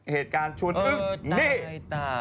เหตุการณ์ชวนฮึก